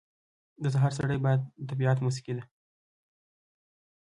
• د سهار سړی باد د طبیعت موسیقي ده.